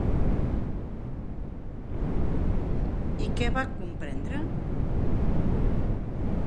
I què va comprendre?